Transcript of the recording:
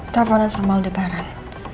telfonan sama aldebaran